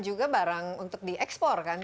juga barang untuk dieksplorkan